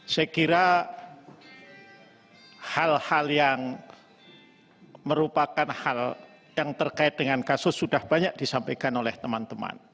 saya kira hal hal yang merupakan hal yang terkait dengan kasus sudah banyak disampaikan oleh teman teman